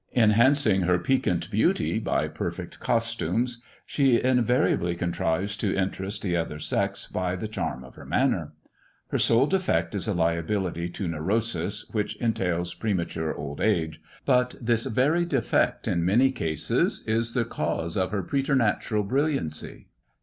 Enhancing her piquant beauty by perfect costumes, she invariably contrives to interest the other sex by the charm of her manner. Her sole defect is a liability to neurosis, which entails prema ture old age, but this very defect in many cases is the cause of her preternatural brilliancy.